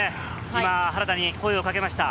今、原田に声をかけました。